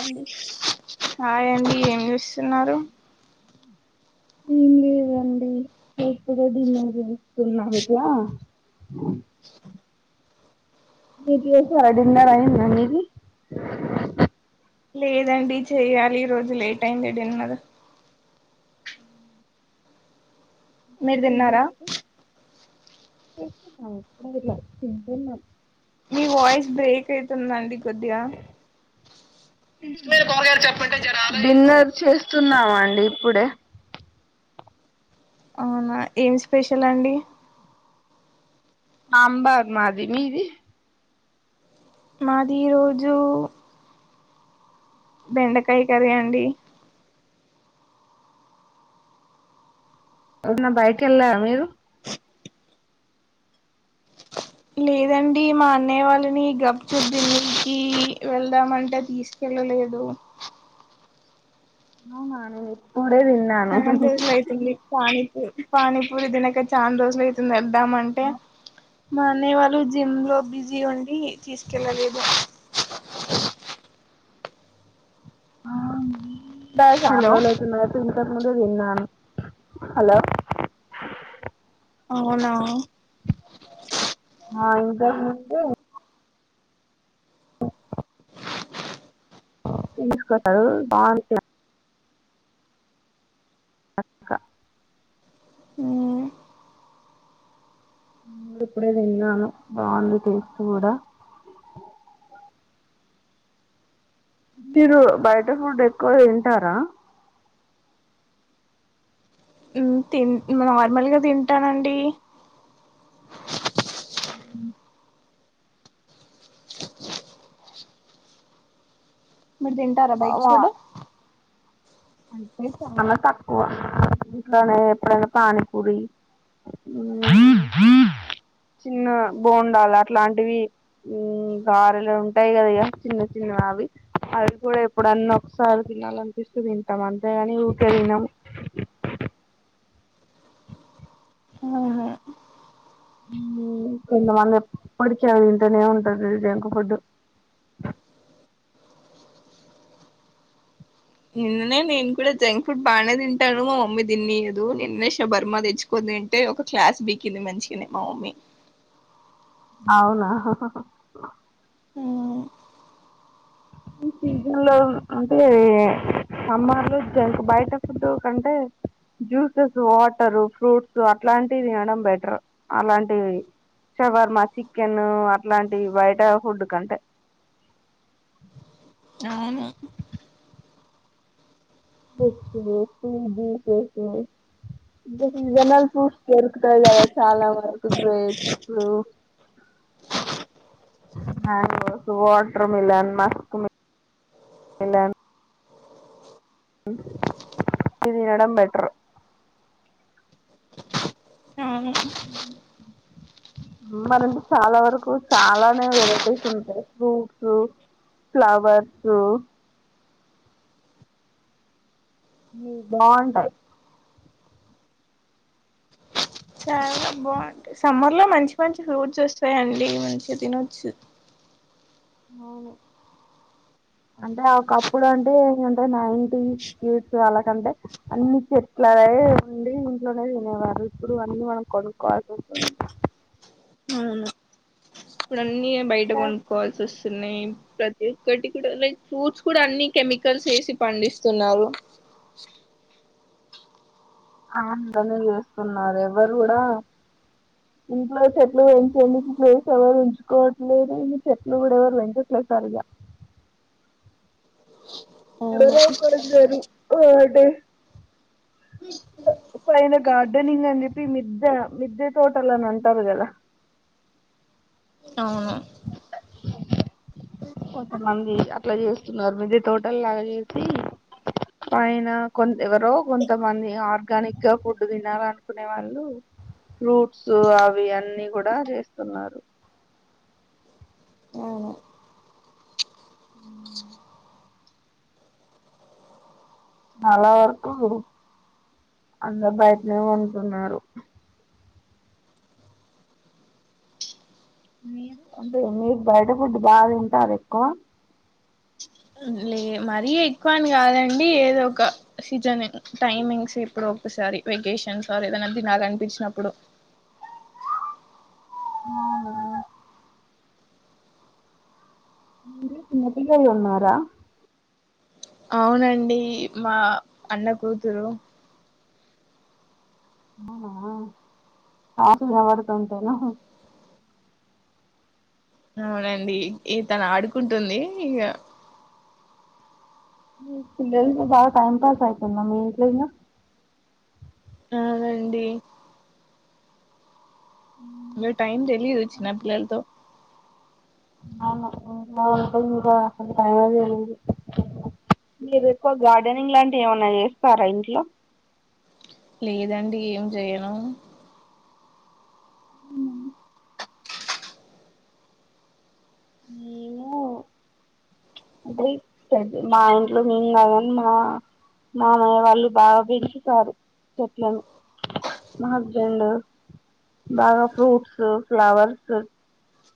అడి ఆడిస్ చిన్నారు లేదండి ఎప్పుడే డిన్నర్ తీస్తున్నామిదలా మీకు చేసారా డిన్నర్ అయింద మీది లేదండి చేయ్యాలి ఈ రోజు లేట్ అయిందిడిన్నద మీరు తిన్నారా అడ తింటన్నా మీ వాయిస్ బ్రేక్ అవుతుందండి కొద్దిగా మరు కొగారు చెప్పంట డిన్నర్ చేస్తున్నామ అండి కుడే అవునా ఏమి స్పెషల్ అండి సాంబార్ మాది మీది మాది రోజు బెండకాయ కరీ అండి ఎన్నా బయట వెళ్ళ మీరు లేదండి మా అన్నయ్య వాళ్ళని గప్ చ దికి వెళ్దామంటే తీసుకెళ్ళలేదు అవునా నపో చా దోస అయితుంది పాని పానీపూరి తినక చాన్ రోజులు అయితేందిదామంటే మా అనేవాళ్ళు జిమ్ లో బిజీ ఉండి తీసుకెళ్ళలేదు ఆ బా హలో చాన్రోజులవుతుంది కాటి అంతక్ ముందు తిన్నాను హలో అవునా ఆ ఇంకా ము తె తీసుకోతారు బాగుంటే అక్క మ్మ్ ఇప్పుడే తిన్నాను బాఉంది టేస్ట్ కూడా మీరు బయట ఫుడ్ ఎక్కువ తింటారా? మ్ తిన్ నార్మల్గ తింటానండి మీర్దింటరా బైటి ఫుడ్ అంటే చాలా తక్కువ ఇట్లోనే ఎప్పుడైనా పానిపూడి చిన్న బోండాలు అట్లాంటివి గారెలు ఉంటాయి కద చిన్న చిన్నవి అవి అవి కూడా ఎప్పుడన్నా ఒకసారి తినాలనిపిస్తుంది మట్టం అంతేగాని ఊకరిగినాము ఆహ కొమంగా పడిక ఇంటనే ఉంట ఎంకా ఫడ్ నిన్ననే నేను కూడా జంక్ ఫుడ్ బాగానే తింటాను మా మమ్మీ తినియదు నిన్న ష బర్మ తెచ్చుకోని తింటే ఒక క్లాస్ బీకింది మంచిగానే మా మమ్మీ అవునా హహహహ ఆ ఈ సీజన్ లో అంటే సమ్మార్ లో జంక్ బయట ఫుడ్డు కంటే జ్యూసెస్ వాటర్ ఫ్రూట్స్ అట్లాంటివి తినడం బెటర్ అలాంటి షవర్మ చికెన్ అట్లాంటి బయట ఫుడ్ కంటే అవును నచ్చీసి సీజనల్ ఫూస్ దొరుకుతాయి కదా చాలా వరకు grapes mangoes water melon Musk melon ఇదినడం బెట్ర్ అవును మనం చాలా వరకు చాలానే వెరైటీస్ ఉంటాయి ఫ్రూట్స్ ఫ్లవర్సు న బాఉంటయి చాలా బాఉం సమ్మర్లో మంచి మంచి ఫ్రూట్స్ ఒస్తయండి మంచిగా తినొచ్చు అవును అంటే ఒకప్పుడు అంటే ఏంటే నైటీ ఫ్రూట్స్ వాళ్ళకంటే అన్ని చెట్ల ఉండి ఇంట్లోనే తినేవారు ఇప్పుడు అన్నీ మనం కొనుక్కోవాల్సి వస్తుంది ప్డ అన్నీ బయట కొంకోవాల్సి ఒస్త్ న్నయి ప్రతి ఒక్కటి కూడా లైక్ ఫ్రూట్స్ కూడా అన్ని కెమికల్స్ ఏశి పండిస్తున్నరు ఆ అంటనే చేస్తున్నారు ఎవరు కూడా ఇంట్లో చెట్లు వెంచనీకె ప్లేస్ ఎవరు ఉంచుకోవట్లేదు న చెట్లు కూడా ఎవరు పెంచట్లేదు సరిగా అవును [unintelligible] ఆడే పైన గార్డెనింగ్ అని చెప్పి మిద్దె మిద్దే తోటలు అని అంటారు కదా అవును కొంతమంది అట్లా చేస్తున్నారు మీద తోట లాగా చేసి పైన కొంత ఎవరో కొంతమంది ఆర్గానిక్ గా ఫుడ్ తినాల అనుకునే వాళ్ళు ఫ్రూట్స్ అవి అన్నీ కూడా చేస్తున్నారు అవును ఉం చాలా వరకు అందరు బైట్నే కొంటున్నరు మీరు అంటే మీరు బయట ఫుడ్ బా తింటార ఎక్కువ లే మరీ ఎక్కువని కాదండి ఏదో ఒక సీజన్ టైమింగ్స్ ఇప్పుడు ఒకసారి వెకేషన్స్ ఆర్ ఏదైనా తినాలనిపించినప్పుడు ఆ మీ చిన్నపిల్లలున్నారా అవునండి మా అన్న కూతురు ఆ ఆ కాసుగాబడుతు ఉంటానా అవునండి ఈ తను ఆడుకుంటుంది ఇగ మీ పిల్లలు బా టైమ్ పాస్ అయితుంద మీ ఇట్లొవున ఆ రండి ఇంగ టైం తెలిదు చ్చిన పిల్లల్ తొ మీరు ఎక్కువ గార్డెనింగ్ లాంటివి ఏమన్నా చేస్తారా ఇంట్లో లేదండి ఏం జెయ్యను అంటెయ్ చెట్ట్ మా ఇంట్లో మేంకాదు గాని మా, మా మామయ్య వాళ్ళు బాగా పెంచుతారు, చెట్లను మా హస్బెండు బాగా ఫ్రూట్స్, ఫ్లవర్స్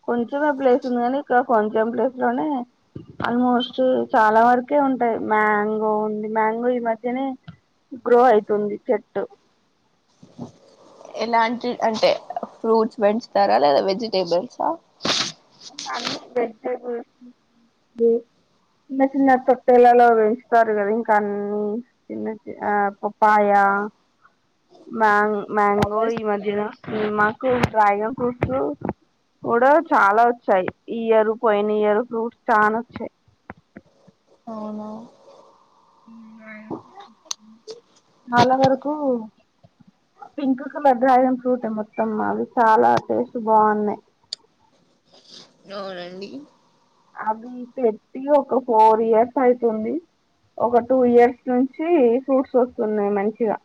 కొంచెమె ప్లేస్ ఉంది కానీ ఇక్కర కొంచెం ప్లేస్ లోనే ఆల్మోస్ట్ చాలా వరకే ఉంటాయ్, మ్యాంగో ఉంది మ్యాంగో ఈ మధ్యనే గ్రో అయితుంది చెట్టు ఎలాంటియ్ అంటే ఫ్రూట్స్ పెంచుతారా లేదా వెజిటేబుల్సా అన్ని వెజిటెబుల్స్ చిన్న చిన్న తొట్టెలలో పెంచుతారు కదా ఇంకాన్నీ చిన్న చి ఆ పప్పాయ, మ్యాంగ్ మ్యాంగో ఫ్లవర్స్ ఈ మధ్యన మాకు డ్రాగన్ ఫ్రూట్స్ కూడా చాలా చ్చాయి ఈ ఇయరు పోయిన ఇయరు ఫ్రూట్ చాన చ్చె అవును చాలా వరకు, పింక్ కలర్ డ్రాగన్ ఫ్రూటే మొత్తమ్మావి చాలా టేస్ట్ బావున్నాయ్. అవునండి అవి పెట్టి ఒక ఫోర్ ఇయర్స్ అయితుంది, ఒక టూ ఇయర్స్ నుంచి ఫ్రూట్స్ వస్తున్నాయి మంచిగా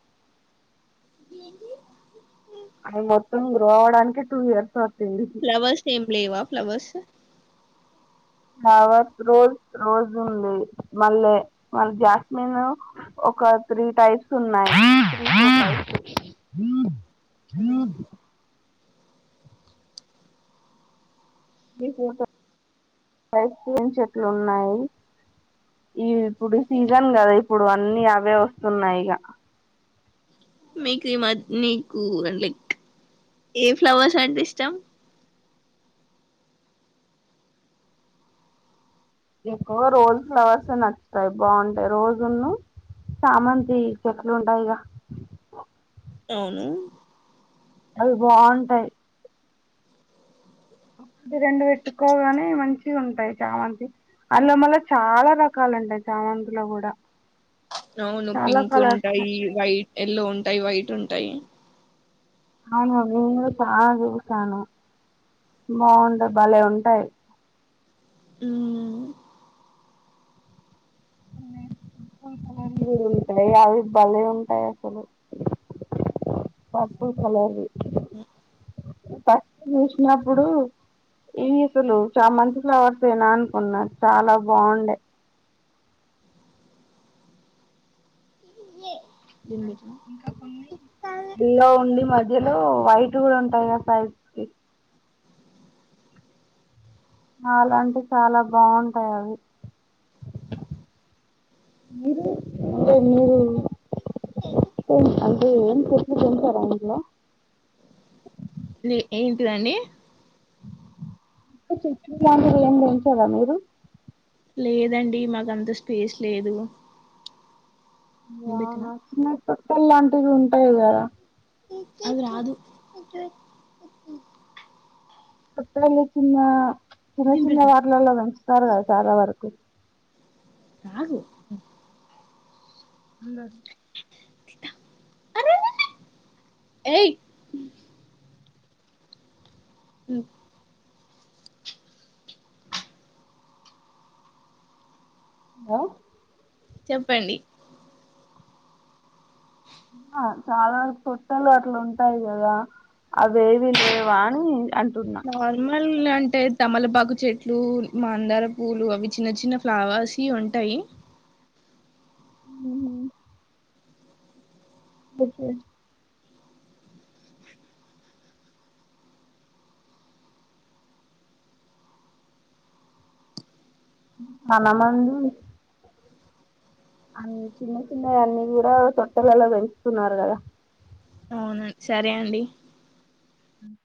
అవి మొత్తం గ్రో అవడానికె టూ ఇయర్స్ పట్టింది ఫ్లవర్స్ ఏం లేవా ఫ్లవర్స్ ఫ్లావర్ రోజ రోజ్ ఉంది మళ్ళీ మళ జాస్మిన్ ఒక త్రీ టైప్స్ ఉన్నాయి ఐస్ క్రీమ్ చెట్లు ఉన్నాయి ఈ ఇప్పుడు సీజన్ గద ఇప్పుడు అన్నీ అవే ఒస్తున్నయి ఇక మీకు ఈ మ నీకు లైక్ ఏ ఫ్లవర్స్ అంటే ఇష్టం ఎక్కువ రోజ్ ఫ్లవర్స్ నచ్చుతాయి బాగుంటాయి రోజున్ను చామంతి చెట్లు ఉంటాయిగా అవును అవి బావుంటాయ్. ఒకటి రెండు పెట్టుకోగానే మంచి ఉంటాయ్ చామంతి, అల్లొ మల్ల చాలా రకాలు ఉంటయ్ చామంతిలో కూడా అవును చాలా పింక్ కలర్స్ ఉంటాయి వై ఎల్లో ఉంటయ్, వైట్ ఉంటయ్ అవును నేను కుడ చా చూసాను, బావుంట భలే ఉంటాయి. మ్మ్. పర్పుల్ కలర్వి గుడ ఉంటాయి అవి బలే ఉంటాయి అసలు, పర్పుల్ కలర్వి, ఫస్ట్ చూసినప్పుడు ఇవి అసలు చా మంతి ఫ్లవర్స్ గన అనుకున్నా చాలా బావుండే దీన్ని పెట్టినా ఇంకా కొన్ని ఇల్లో ఉండి మధ్యలో వైట్ కూడా ఉంటాయిగ సైజ్ కి చాల అంటే చాలా బావుంటాయి అవి, మీరు అంటే మీరు తేమ్ అంటే ఏం చెట్లు పెంచరా ఇంట్లో ని ఏంటిదండి. ఉత్త చెట్లులాంటివి ఏం పెంచరా మీరు లేదండి మాకంత స్పేస్ లేదు దీన్ని పెట్టినా యనా చిన్న తొట్టెల్లాంట్ ట్టెలు ఉంటాయి కద అది రాదు తొట్టిల్లన్ని చిన్న చిన్న దీన్ని చిన్న పెడతా వాటిలల్లో పెంచుతారు కదా చాలా వరకు నాగు అందర్ [unintelligible] ఏయ్ హు హ చెప్పండి ఆ చాల తొట్టెల్లొ అట్లుంటాయి కదా. అవేవి లేవా అని అంటున్నా నార్మల్ అంటే తమలపాకు చెట్లు మాందార పూలు అవి చిన్న చిన్న ఫ్లవర్స్ ఉంటాయి ఉ ఓకే అనమందు అన్ని చిన్న చిన్నవి అన్నీ కూడా చొట్టలలో పెంచుతున్నారు కదా అవునా సరే అండి